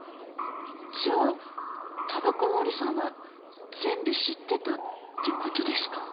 じゃあ煙草森さんは全部知ってたってことですか？